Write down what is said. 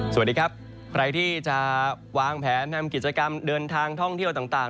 สวัสดีครับใครที่จะวางแผนทำกิจกรรมเดินทางท่องเที่ยวต่าง